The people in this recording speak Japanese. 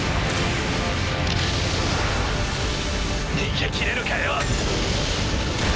逃げきれるかよ！